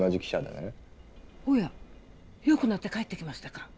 おやよくなって帰ってきましたか？